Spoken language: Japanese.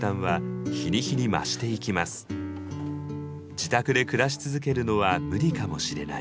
自宅で暮らし続けるのは無理かもしれない。